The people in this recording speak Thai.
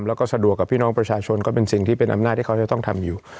แล้วก็สะดวกกับพี่น้องประชาชนก็เป็นสิ่งที่เป็นอำนาจที่เขาจะต้องทำอยู่